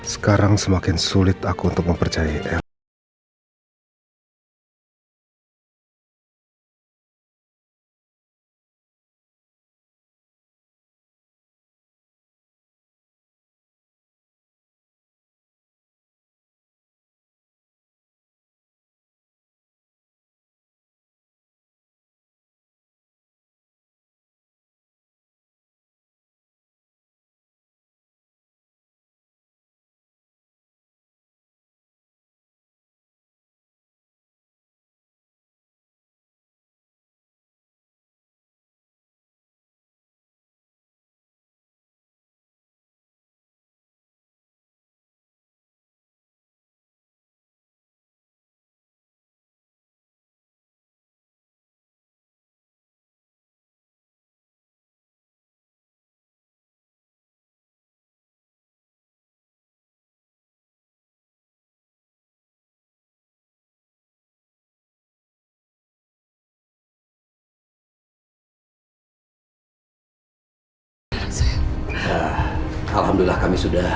sekarang semakin sulit aku untuk mempercayai ella